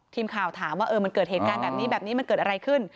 ทีมข่าวถามว่ามันเกิดเหตุการณ์แบบนี้แบบนี้มันเกิดอะไรขึ้น